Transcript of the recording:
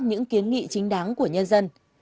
những kiến nghị chính đáng của nhân dân